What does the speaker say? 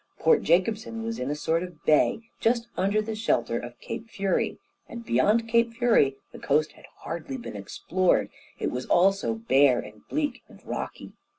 Port Jacobson was in a sort of bay just under the shelter of Cape Fury, and beyond Cape Fury the coast had hardly been explored, it was all so bare and bleak and rocky.